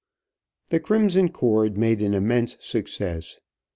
"The Crimson Cord" made an immense success.